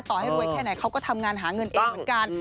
ให้รวยแค่ไหนเขาก็ทำงานหาเงินเองเหมือนกัน